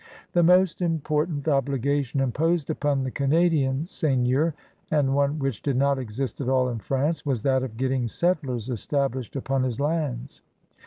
The most impor tant obligation imposed upon the Canadian seign eur, and one which did not exist at all in France, was that of getting settlers established upon his lands.